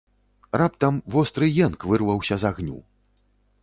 Раптам востры енк вырваўся з агню.